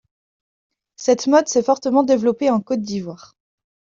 Cette mode s'est fortement développée en Côte d'Ivoire.